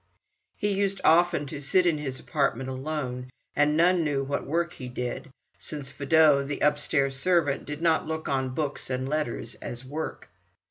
He used often to sit in his apartment alone, and none knew what work he did, since Fedot, the upstairs servant, did not look on books and letters as "work."